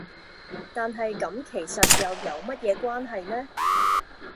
但係咁其實又有乜嘢關係呢?